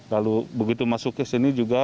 lalu begitu masuk ke sini juga